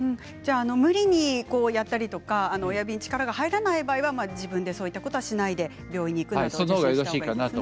無理にやって親指に力が入らない場合は自分で、そういうことをしないで病院に行ったほうがいいですね。